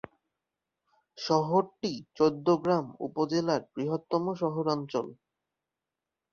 শহরটি চৌদ্দগ্রাম উপজেলার বৃহত্তম শহরাঞ্চল।